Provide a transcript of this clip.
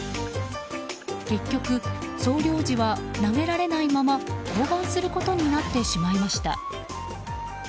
結局、総領事は投げられないまま降板することになってしまいました。